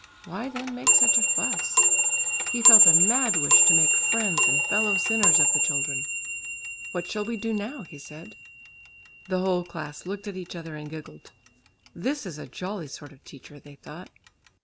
Why then make such a fuss? He felt a mad wish to make friends and fellow sinners of the children. "What shall we do now?" he said. The whole class looked at each other and giggled. "This is a jolly sort of teacher," they thought.